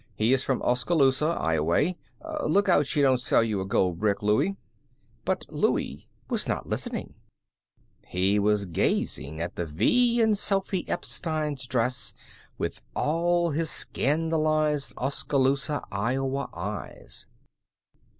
He is from Oskaloosa, Ioway. Look out she don't sell you a gold brick, Louie." But Louie was not listening. He was gazing at the V in Sophy Epstein's dress with all his scandalized Oskaloosa, Iowa, eyes.